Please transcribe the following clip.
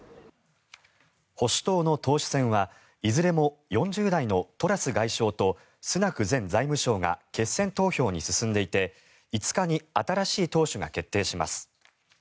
保守党の党首選はいずれも４０代のトラス外相とスナク前財務相が決選投票に進んでいて５日に新しい党首が決定します。